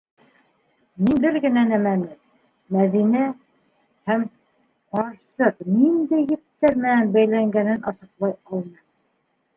Мин бер генә нәмәне - Мәҙинә һәм... ҡарсыҡ ниндәй ептәр менән бәйләнгәнен асыҡлай алманым.